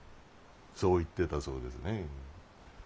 そう言ってたそうですね。